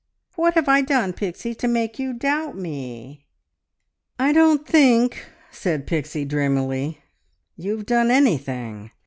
What have I done, Pixie, to make you doubt me?" "I don't think," said Pixie dreamily, "you have done anything."